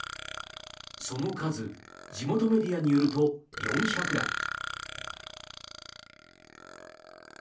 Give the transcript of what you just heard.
その数、地元メディアによると４００台。